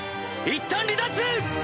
いったん離脱！